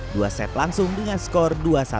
dua set langsung dengan skor dua puluh satu satu